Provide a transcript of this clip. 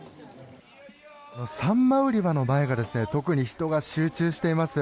サンマ売り場の前が特に人が集中しています。